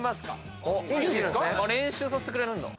練習させてくれるんだ。